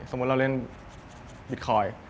สมมุติเราเล่นบิตคอยน์